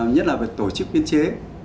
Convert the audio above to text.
nhất là về tổ chức biên chế